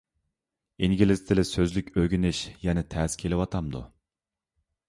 ئىنگلىز تىلى سۆزلۈك ئۆگىنىش يەنە تەس كېلىۋاتامدۇ؟